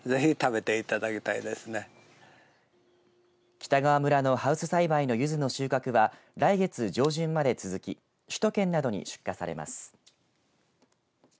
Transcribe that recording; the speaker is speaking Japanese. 北川村のハウス栽培のユズの収穫は来月上旬まで続き首都圏などに出荷されます。